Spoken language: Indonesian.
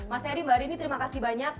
mas eri mbak rini terima kasih banyak